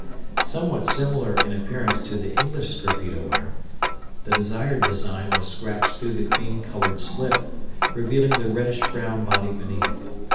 Somewhat similar in appearance to the English sgraffito ware, the desired design was scratched through the cream colored slip, revealing the reddish brown body beneath.